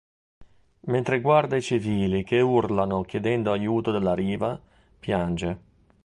Mentre guarda i civili che urlano chiedendo aiuto dalla riva piange.